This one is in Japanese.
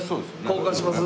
交換します？